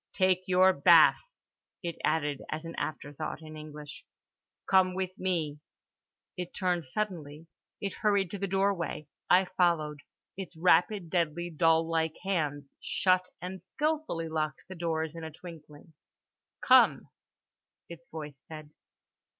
"Take your bath," it added as an afterthought, in English—"Come with me." It turned suddenly. It hurried to the doorway. I followed. Its rapid deadly doll like hands shut and skillfully locked the doors in a twinkling. "Come," its voice said.